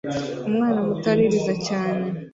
Umwana muto aririza cyane